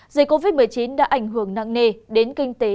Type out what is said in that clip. dịch covid một mươi chín đã ảnh hưởng nặng nề đến kinh tế